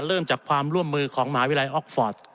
เริ่มจากความร่วมมือของมหาวิทยาลัยออกฟอร์ต